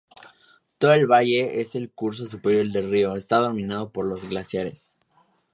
Todo el valle, en el curso superior del río, está dominado por los glaciares.